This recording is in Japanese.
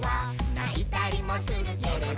「ないたりもするけれど」